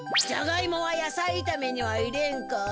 じゃがいもは野菜いためには入れんか。